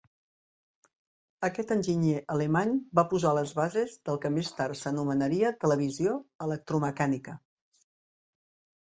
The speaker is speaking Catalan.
Aquest enginyer alemany va posar les bases del que més tard s'anomenaria televisió electromecànica.